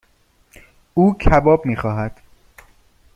او کباب میخواهد.